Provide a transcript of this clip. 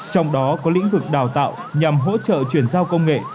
trong đó có lĩnh vực đào tạo nhằm hỗ trợ chuyển giao công nghệ